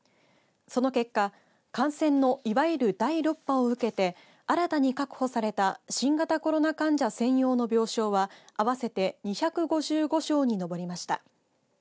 その結果感染のいわゆる第６波を受けて新たに確保された新型コロナ患者専用の病床は合わせて２５５床に上りました。